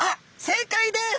正解です。